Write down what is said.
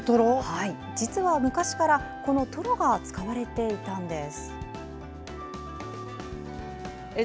実は昔からこのトロが使われていたんです。